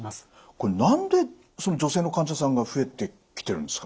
これ何で女性の患者さんが増えてきてるんですか？